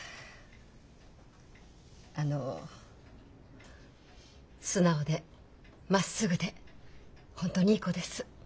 あの素直でまっすぐで本当にいい子です。